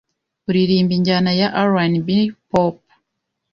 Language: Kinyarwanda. uririmba injyana ya RnB Pop